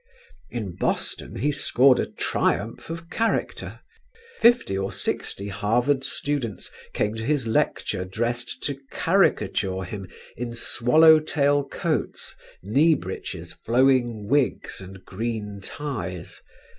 In Boston he scored a triumph of character. Fifty or sixty Harvard students came to his lecture dressed to caricature him in "swallow tail coats, knee breeches, flowing wigs and green ties.